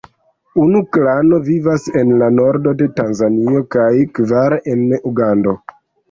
Unu klano vivas en la nordo de Tanzanio kaj kvar en Ugando.